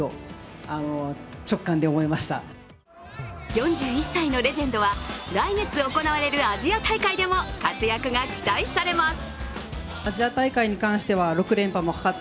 ４１歳のレジェンドは来月行われるアジア大会でも活躍が期待されます。